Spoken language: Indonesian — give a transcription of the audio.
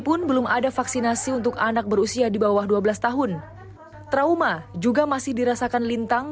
pun belum ada vaksinasi untuk anak berusia di bawah dua belas tahun trauma juga masih dirasakan lintang